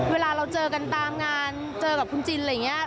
เวลาเราเจอกันตามงานเจอกับคุณจินอะไรอย่างนี้